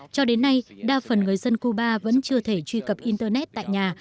cho đến nay đa phần người dân cuba vẫn chưa thể truy cập internet tại nhà